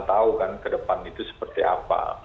kita tidak pernah tahu ke depan itu seperti apa